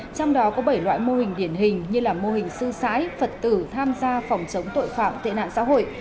trong đó có bảy loại mô hình điển hình như là mô hình sư sãi phật tử tham gia phòng chống tội phạm tệ nạn xã hội